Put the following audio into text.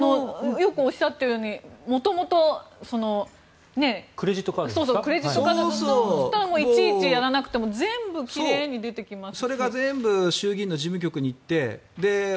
よくおっしゃったようにクレジットカードもいちいちやらなくても全部、奇麗に出てきますし。